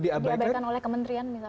diabaikan oleh kementrian misalnya